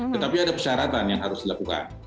tetapi ada persyaratan yang harus dilakukan